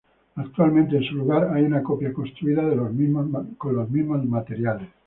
Actualmente en su lugar hay una copia construida de los mismos materiales.